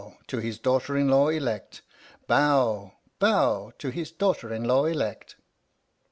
To his daughter in law elect ! Bow ! Bow ! To his daughter in law elect.